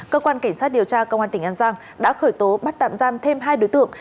cơ quan cảnh sát điều tra công an tỉnh an giang đã khởi tố bắt tạm giam thêm hai đối tượng